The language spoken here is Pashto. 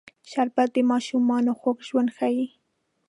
شربت د ماشومانو خوږ ژوند ښيي